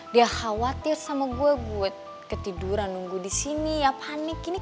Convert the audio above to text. dia khawatir sama gue gue ketiduran nunggu di sini ya panik ini